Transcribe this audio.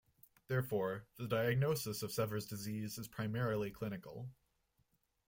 Therefore, the diagnosis of Sever's disease is primarily clinical.